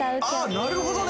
なるほどね。